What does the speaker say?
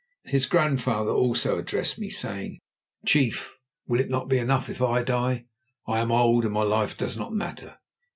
His grandfather also addressed me, saying: "Chief, will it not be enough if I die? I am old, and my life does not matter.